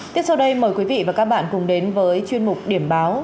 tiếp sau đây mời quý vị và các bạn cùng đến với chuyên mục điểm báo